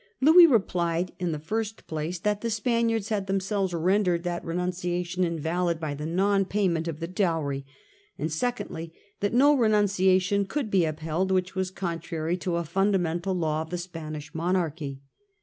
Louis replied in the first place that the Spaniards had themselves rendered that renunciation invalid by the non payment of the dowry, and, secondly, that no renunciation could be up held which was contrary to a fundamental law of the Spanish monarchy.